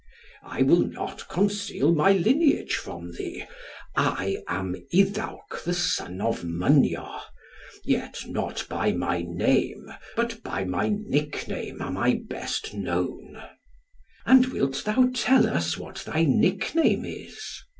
"I will not conceal my lineage from thee. I am Iddawc the son of Mynyo, yet not by my name, but by my nickname am I best known." "And wilt thou tell us what thy nickname is?"